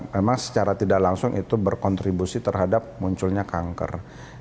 memang secara tidak langsung itu berkontribusi terhadap munculnya kanker